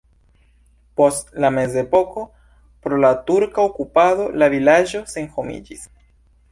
Post la mezepoko pro la turka okupado la vilaĝo senhomiĝis.